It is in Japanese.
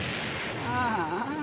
ああ。